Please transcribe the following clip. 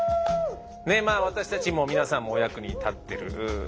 私たちも皆さんもお役に立ってる。